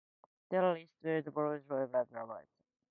The list is abridged - only a representative few are listed.